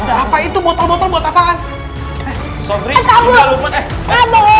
apa itu botol botol buat apaan